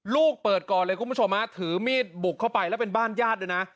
ลูกเปิดก่อนเลยคุณผู้ชมถือมีดบุกเข้าไปแล้วเป็นบ้านญาติด้วยนะ